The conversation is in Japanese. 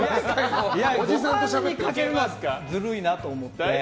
これはずるいなと思って。